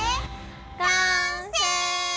完成！